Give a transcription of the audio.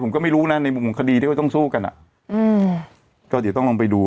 ผมก็ไม่รู้นะในมุมของคดีที่เขาต้องสู้กันอ่ะอืมก็เดี๋ยวต้องลองไปดู